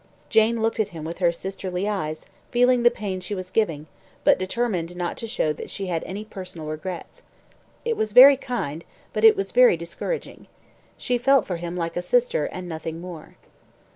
Jane looked at him with her sisterly eyes, feeling the pain she was giving, but determined not to show that she had any personal regret. It was very kind, but it was very discouraging. She felt for him like a sister and nothing more.